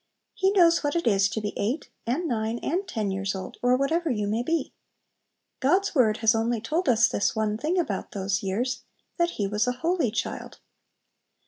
He knows what it is to be eight, and nine, and ten years old, or whatever you may be. God's word has only told us this one thing about those years, that He was a holy child.